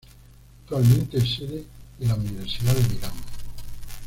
Actualmente es sede de la Universidad de Milán.